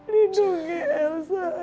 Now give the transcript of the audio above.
mendungi rais smith ya allah